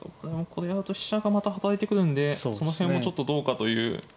これやると飛車がまた働いてくるんでその辺もちょっとどうかという。